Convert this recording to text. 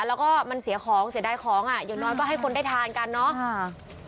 แล้วก็มันเสียของเสียดายของอ่ะอย่างน้อยก็ให้คนได้ทานกันเนาะ